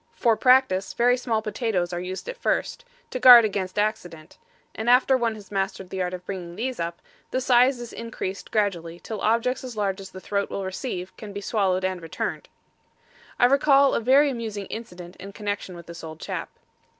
For practice very small potatoes are used at first, to guard against accident; and after one has mastered the art of bringing these up, the size is increased gradually till objects as large as the throat will receive can be swallowed and returned. I recall a very amusing incident in connection with this old chap.